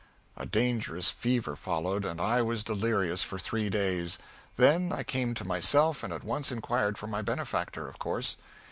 A dangerous fever followed, and I was delirious for three days; then I come to myself and at once inquired for my benefactor, of course.